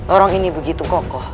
orang ini begitu kokoh